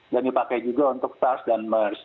dan dipakai juga untuk sars dan mers